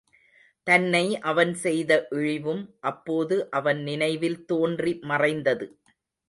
தன்னை அவன் செய்த இழிவும் அப்போது அவன் நினைவில் தோன்றி மறைந்தது.